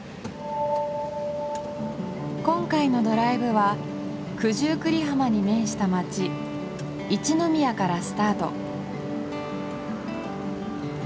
今回のドライブは九十九里浜に面した町一宮からスタート。